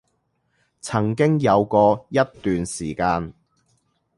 曾經有過一段時間